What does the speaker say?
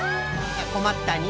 こまったね